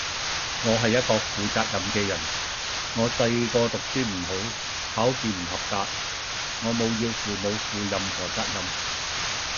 我系一個負責任嘅人，我細個讀書唔好，考試唔合格，我冇要父母負任何責任